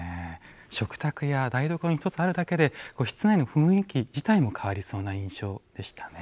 食卓や台所に一つあるだけで室内の雰囲気自体も変わりそうな印象でしたね。